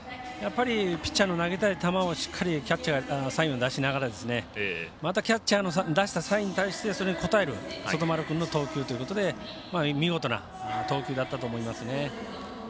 ピッチャーの投げたい球をしっかり、キャッチャーがサインを出しながらまたキャッチャーの出したサインそれに応える、外丸君の投球ということで見事な投球だったと思いますね。